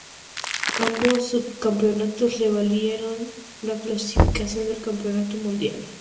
Ambos subcampeonatos le valieron la clasificación al Campeonato Mundial.